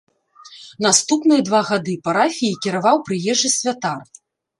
Наступныя два гады парафіяй кіраваў прыезджы святар.